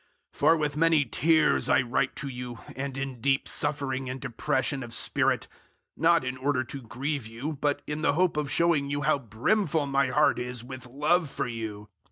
002:004 For with many tears I write to you, and in deep suffering and depression of spirit, not in order to grieve you, but in the hope of showing you how brimful my heart is with love for you.